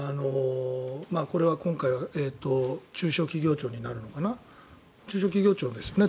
これは今回中小企業庁になるのかな中小企業庁ですよね。